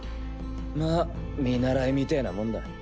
まぁ見習いみてぇなもんだ。